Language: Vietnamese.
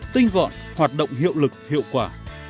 tinh gọn hoạt động hiệu lực hiệu quả